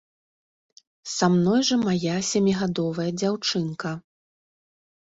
Са мной жа мая сямігадовая дзяўчынка.